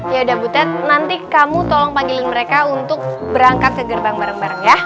ya udah butet nanti kamu tolong panggilin mereka untuk berangkat ke gerbang bareng bareng ya